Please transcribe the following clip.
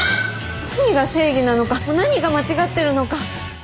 何が正義なのか何が間違ってるのか。